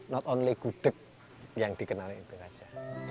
not only gudek yang dikenal itu saja